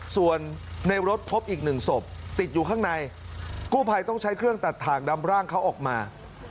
ส่วนในรถพบอีกหนึ่งศพติดอยู่ข้างในกู้ภัยต้องใช้เครื่องตัดถ่างดำร่างเขาออกมา